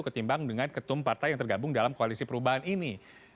ketimbang dengan ketum partai yang tergabung dalam koalisi perubahan ini